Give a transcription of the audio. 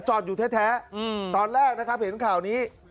จอดอยู่แท้ตอนแรกนะครับเห็นข่าวนี้